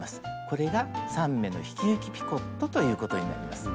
これが３目の引き抜きピコットということになります。